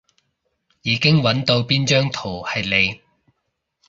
已經搵到邊張圖係你